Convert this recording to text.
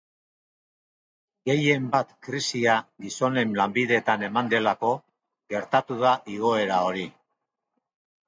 Gehien bat krisia gizonen lanbideetan eman delako gertatu da igoera hori.